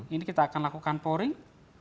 ini kita akan lakukan pouring